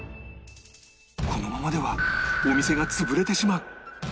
このままではお店が潰れてしまう